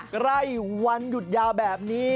ใกล้วันหยุดยาวแบบนี้